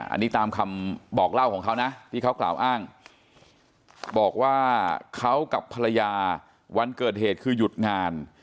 อันนี้ตามคำบอกเล่าของเขานะที่เขากล่าวอ้างบอกว่าเขากับภรรยาวันเกิดเหตุคือหยุดงาน